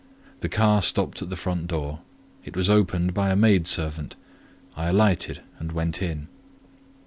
The car stopped at the front door; it was opened by a maid servant; I alighted and went in.